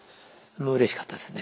うれしかったですね。